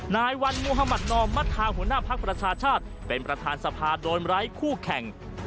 นายวันมุธมัธนอมมัธาหัวหน้าภักดิ์ประชาชาติเป็นประธานสภาโดนไร้คู่แข่ง